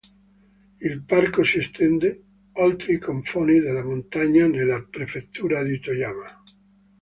Il parco si estende oltre i confini della montagna nella Prefettura di Toyama.